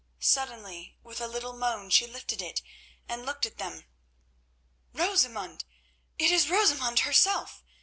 Suddenly, with a little moan she lifted it, and looked at them. "Rosamund! It is Rosamund herself!"